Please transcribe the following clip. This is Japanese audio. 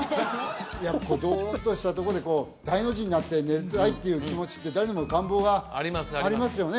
やっぱこうドーンとしたとこでこう大の字になって寝たいっていう気持ちって誰でも願望がありますよね